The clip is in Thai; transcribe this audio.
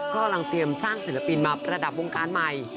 กำลังเตรียมสร้างศิลปินมาประดับวงการใหม่